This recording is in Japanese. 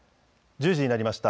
１０時になりました。